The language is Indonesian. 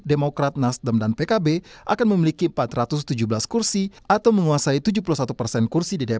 dan kalau ada kebijakan pemerintah yang kurang baik